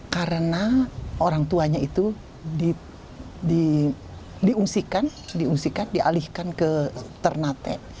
karena orang tuanya itu diungsikan dialihkan ke ternate